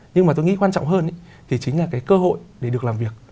nhưng mà tôi nghĩ quan trọng hơn thì chính là cái cơ hội để được làm việc